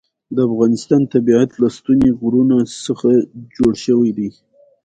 د افغانستان طبیعت له ستوني غرونه څخه جوړ شوی دی.